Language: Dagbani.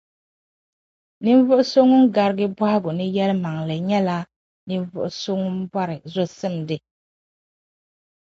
Ninvuɣ’ so ŋun garigi bɔhigu ni yɛlimaŋli nyɛla ninvuɣ’ so ŋun bɔri zɔsimdi.